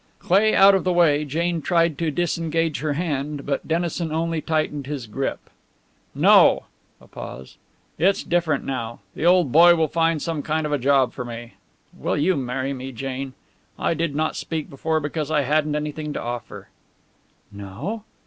Cleigh out of the way, Jane tried to disengage her hand, but Dennison only tightened his grip. "No" a pause "it's different now. The old boy will find some kind of a job for me. Will you marry me, Jane? I did not speak before, because I hadn't anything to offer." "No?"